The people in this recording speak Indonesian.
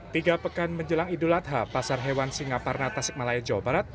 tiga pekan menjelang idul adha pasar hewan singaparna tasik malaya jawa barat